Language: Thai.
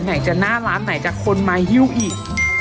ไหนจะหน้าร้านไหนจะคนมาฮิ้วอีก